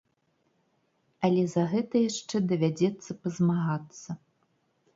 Але за гэта яшчэ давядзецца пазмагацца.